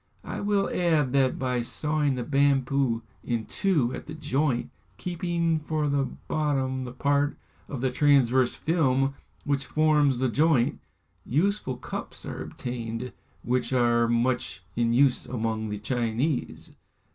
I will add that by sawing the bamboo in two at the joint, keeping for the bottom the part of the transverse film which forms the joint, useful cups are obtained, which are much in use among the Chinese.